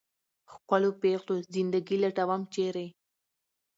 ښکلو پېغلو زنده ګي لټوم ، چېرې ؟